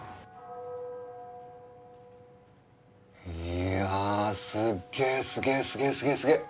いやぁすっげえすげえすげえすげえすげえ！